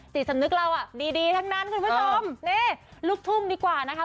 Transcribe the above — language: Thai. จิตสำนึกเราอ่ะดีดีทั้งนั้นคุณผู้ชมนี่ลูกทุ่งดีกว่านะคะ